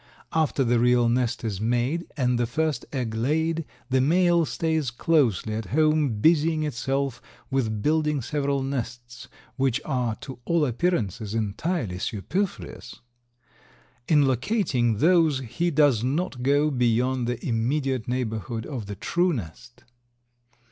After the real nest is made and the first egg laid, the male stays closely at home busying itself with building several nests, which are to all appearances entirely superfluous. In locating these he does not go beyond the immediate neighborhood of the true nest.